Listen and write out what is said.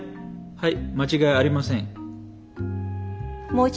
はい。